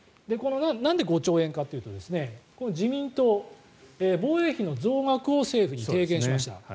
なんで５兆円かというと自民党、防衛費の増額を政府に提言しました。